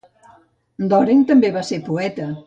Doren també va ser poeta.